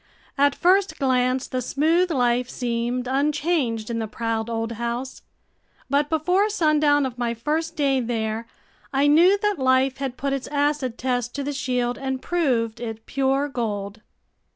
At first glance the smooth life seemed unchanged in the proud old house. But before sundown of my first day there, I knew that life had put its acid test to the shield and proved it pure gold.